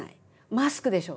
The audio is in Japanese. マスクでしょ。